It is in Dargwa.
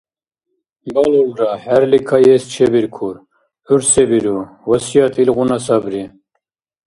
Балулра… ХӀерли кайэс чебиркур. ГӀур се биру, васият илгъуна сабри.